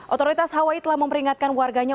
otoritas hawaii telah memperingatkan warganya